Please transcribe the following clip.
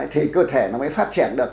thì cơ thể nó mới phát triển được